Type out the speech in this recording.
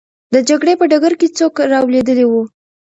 د جګړې په ډګر کې څوک رالوېدلی وو؟